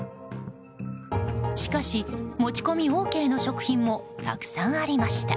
しかし、持ち込みＯＫの食品もたくさんありました。